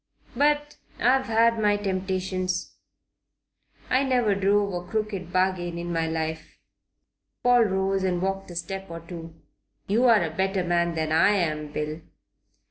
But I've had my temptations. I never drove a crooked bargain in my life." Paul rose and walked a step or two. "You're a better man than I am, Bill."